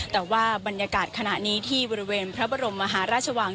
แต่ว่าบรรยากาศขณะนี้ที่บริเวณพระบรมมหาราชวัง